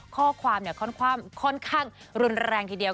ข้อความเนี่ยข้อนข้ามค่อนข้างรุนแรงทีเดียว